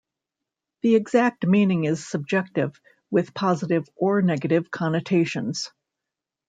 The exact meaning is subjective, with positive or negative connotations.